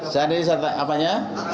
saya ada disertai apanya